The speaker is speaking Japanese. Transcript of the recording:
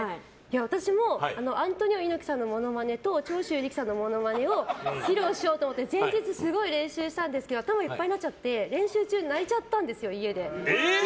私もアントニオ猪木さんのモノマネと長州力さんのものまねを披露しようとして前日すごい練習したんですけど頭いっぱいになっちゃって練習中に泣いちゃったんですよ。